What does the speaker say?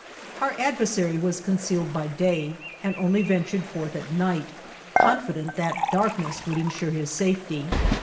Our adversary was concealed by day, and only ventured forth at night, confident that darkness would insure his safety.